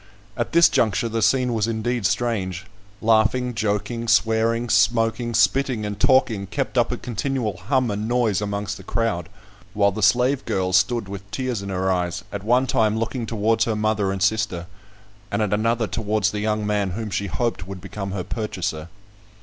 At this juncture the scene was indeed strange. Laughing, joking, swearing, smoking, spitting, and talking kept up a continual hum and noise amongst the crowd; while the slave girl stood with tears in her eyes, at one time looking towards her mother and sister, and at another towards the young man whom she hoped would become her purchaser.